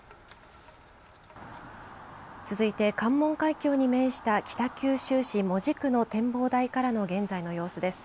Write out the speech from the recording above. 続いて関門海峡に面した北九州市門司区の展望台からの現在の様子です。